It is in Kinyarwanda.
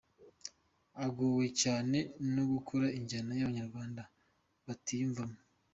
Agorwa cyane no gukora injyana Abanyarwanda batiyumvamo.